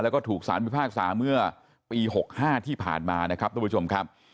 แล้วก็ถูกสารมีภาคสาเหมือปีหกห้าที่ผ่านมานะครับท่านผู้ชมครับ